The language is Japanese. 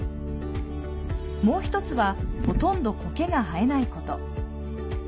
もう１つはほとんど苔が生えないこと。